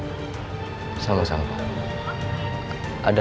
terima kasih sudah mendukung saya